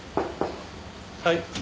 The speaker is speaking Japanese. はい。